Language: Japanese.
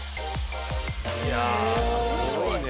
いやあすごいね。